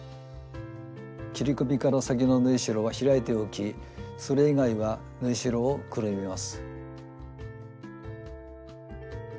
切り込みから先の縫いしろは開いておきそれ以外は縫いしろをくるみます。